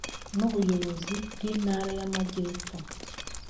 n’ubuyobozi bw’Intara y’amajyepfo